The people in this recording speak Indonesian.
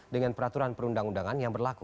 dengan peraturan perundang undangan yang berlaku